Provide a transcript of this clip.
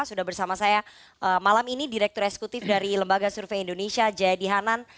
sudah bersama saya malam ini direktur eksekutif dari lembaga survei indonesia jayadi hanan